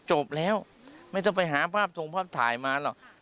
จบแล้วไม่ต้องไปหาภาพทรงภาพถ่ายมาหรอก